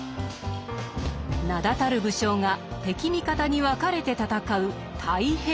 名だたる武将が敵味方に分かれて戦う「太平記」。